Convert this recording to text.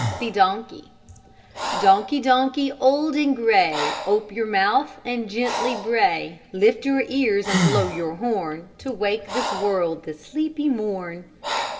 THE DONKEY Donkey, donkey, old and gray, Ope your mouth and gently bray; Lift your ears and blow your horn, To wake the world this sleepy morn.